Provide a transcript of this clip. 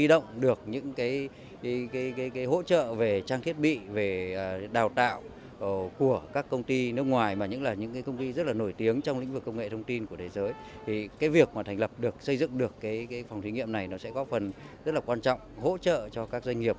rất là quan trọng hỗ trợ cho các doanh nghiệp khởi nghiệp